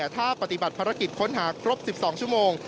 ถ้าปฏิบัติภารกิจค้นหาครบ๑๒ชั่วโมง